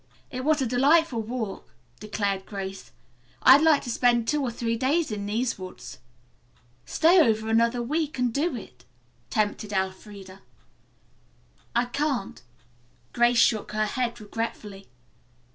"It was a delightful walk," declared Grace. "I'd like to spend two or three days in these woods." "Stay over another week and do it," tempted Elfreda. "I can't." Grace shook her head regretfully.